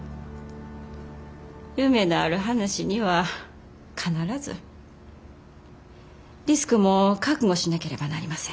夢のある話には必ずリスクも覚悟しなければなりません。